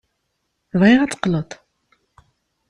Bɣiɣ ad d-teqqleḍ.